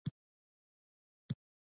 د ملک په وړو کې شګه وه په غوسه کې و.